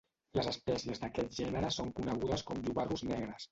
Les espècies d'aquest gènere són conegudes com llobarros negres.